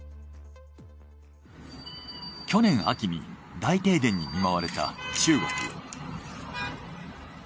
去年秋に大停電に見舞われた中国。